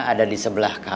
ini ada di sebelah saya kang